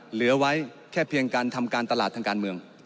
เหลือไว้แค่เพียงการทำการตลาดทางการเมือง